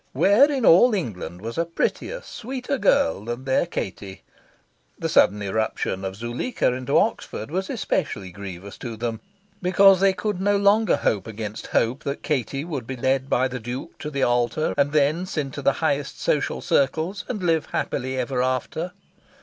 Where in all England was a prettier, sweeter girl than their Katie? The sudden irruption of Zuleika into Oxford was especially grievous to them because they could no longer hope against hope that Katie would be led by the Duke to the altar, and thence into the highest social circles, and live happily ever after.